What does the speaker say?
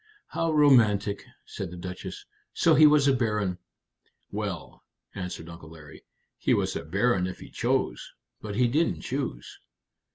"How romantic!" said the Duchess. "So he was a baron!" "Well," answered Uncle Larry, "he was a baron if he chose. But he didn't choose."